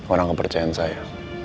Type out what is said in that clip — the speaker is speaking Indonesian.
orang kepercayaan saya